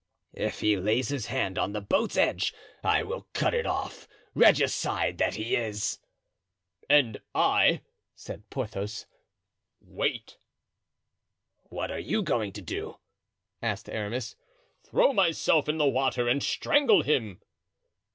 "If he lays his hand on the boat's edge I will cut it off, regicide that he is." "And I," said Porthos. "Wait." "What are you going to do?" asked Aramis. "Throw myself in the water and strangle him."